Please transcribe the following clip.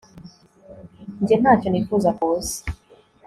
njye, ntacyo nifuza kubusa